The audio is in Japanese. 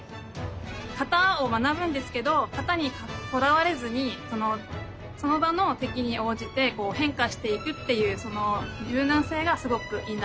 形を学ぶんですけど形にとらわれずにその場の敵に応じて変化していくっていうその柔軟性がすごくいいなと思って。